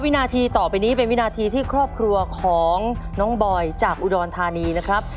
วินาทีต่อไปนี้เป็นวินาทีที่ครอบครัวของน้องบอยจากอุดรธานีนะครับ